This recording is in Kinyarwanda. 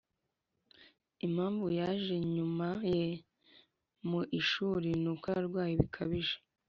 impamvu yaje nyuma ye mu ishuri ni uko yarwaye bikabije